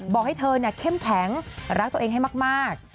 บอกให้เธอเข้มแข็งรักตัวเองให้มาก